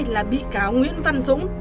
là bị cáo nguyễn văn dũng